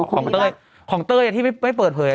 ของเต้ยของเต้ยที่ไม่เปิดเผย